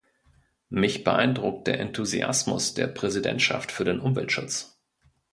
Mich beeindruckt der Enthusiasmus der Präsidentschaft für den Umweltschutz.